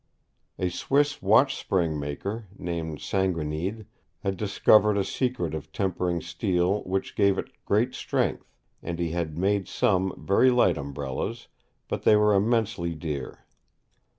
A Swiss watch spring maker, named Sanguinede, had discovered a secret of tempering steel which gave it great strength, and he had made some, very light umbrellas, but they were immensely dear.